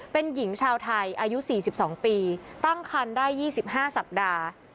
เป็นหญิงชาวไทยอายุ๔๒ปีตั้งคันได้๒๕สัปดาห์